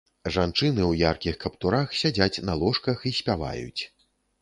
Жанчыны ў яркіх каптурах сядзяць на ложках і спяваюць.